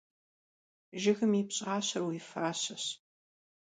Jjıgım yi pş'aşer yi faşeş.